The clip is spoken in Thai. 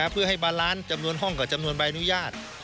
เพื่อให้บาลานซ์จำนวนห้องกับจำนวนใบอนุญาต